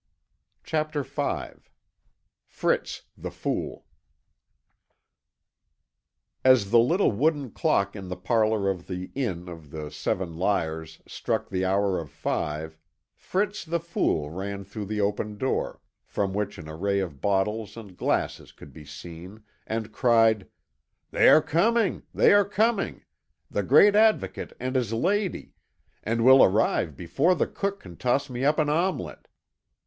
CHAPTER V FRITZ THE FOOL As the little wooden clock in the parlour of the inn of The Seven Liars struck the hour of five, Fritz the Fool ran through the open door, from which an array of bottles and glasses could be seen, and cried: "They are coming they are coming the great Advocate and his lady and will arrive before the cook can toss me up an omelette!"